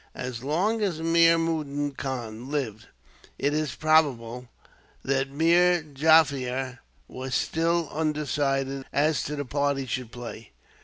As long as Mir Mudin Khan lived, it is probable that Meer Jaffier was still undecided as to the part he should play.